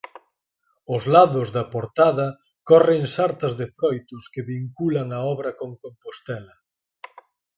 Aos lados da portada corren sartas de froitos que vinculan a obra con Compostela.